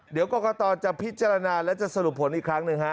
เดี๋ยวกรกตจะพิจารณาและจะสรุปผลอีกครั้งหนึ่งฮะ